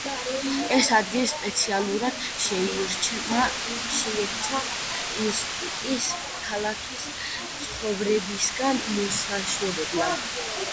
ეს ადგილი სპეციალურად შეირჩა ინსტიტუტის ქალაქის ცხოვრებისგან მოსაშორებლად.